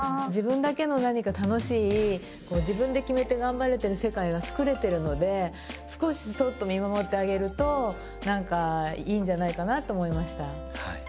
自分だけの何か楽しい自分で決めて頑張れてる世界がつくれてるので少しそっと見守ってあげるとなんかいいんじゃないかなって思いました。